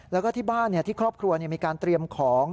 แล้วก็บ้านข้อครัวมีการเตรียมของ